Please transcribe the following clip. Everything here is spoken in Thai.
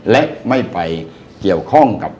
และไม่ไปเกี่ยวข้องกับ